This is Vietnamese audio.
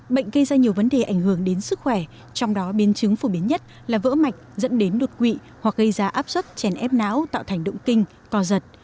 bệnh gây ra nhiều vấn đề ảnh hưởng đến sức khỏe trong đó biến chứng phổ biến nhất là vỡ mạch dẫn đến đột quỵ hoặc gây ra áp suất chèn ép não tạo thành động kinh co giật